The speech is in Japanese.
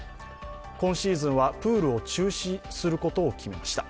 今シーズンはプールを中止することを決めました。